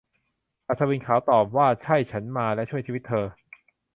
อัศวินขาวตอบว่า ใช่ ฉันมาและช่วยชีวิตเธอ